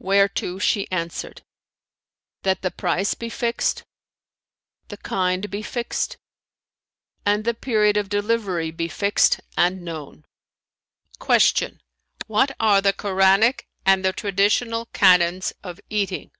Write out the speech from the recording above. whereto she answered, "That the price be fixed, the kind be fixed and the period of delivery be fixed and known." Q "What are the Koranic and the traditional canons of eating?"